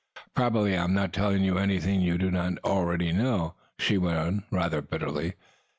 Probably I am not telling you anything you do not already know," she went on, rather bitterly.